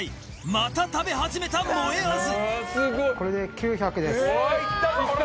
また食べ始めたもえあず